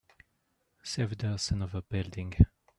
Saved us another building.